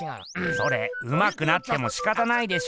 それうまくなってもしかたないでしょ。